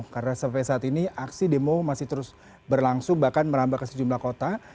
karena sampai saat ini aksi demo masih terus berlangsung bahkan merambah ke sejumlah kota